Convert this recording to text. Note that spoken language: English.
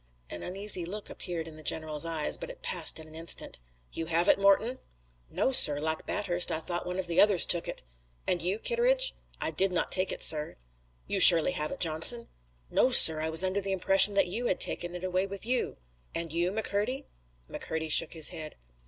An uneasy look appeared in the general's eyes, but it passed in an instant. "You have it, Morton?" "No, sir. Like Bathurst I thought one of the others took it." "And you, Kitteridge?" "I did not take it, sir." "You surely have it, Johnson?" "No, sir, I was under the impression that you had taken it away with you." "And you, McCurdy?" McCurdy shook his head.